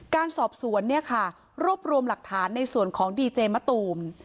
การสอบสวนเนี่ยค่ะรวบรวมหลักฐานในส่วนของดีเจมะตูม